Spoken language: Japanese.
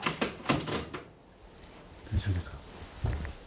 大丈夫ですか？